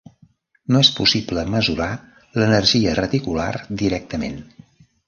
No és possible mesurar l'energia reticular directament.